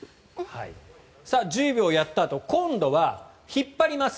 １０秒やったあと今度は引っ張ります。